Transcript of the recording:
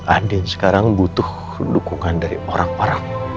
andi sekarang butuh dukungan dari orang orang